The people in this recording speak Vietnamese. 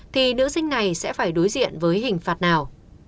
thì nữ sinh này sẽ phải đối diện với hình phạt nào